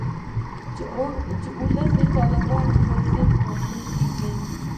چې ولس د طالبانو په ضد راپاڅیږي